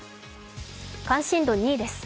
関心度２位です。